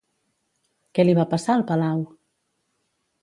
Què li va passar al palau?